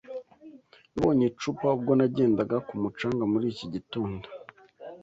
Nabonye icupa ubwo nagendaga ku mucanga muri iki gitondo.